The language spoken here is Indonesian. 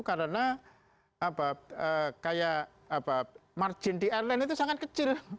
karena margin di airline itu sangat kecil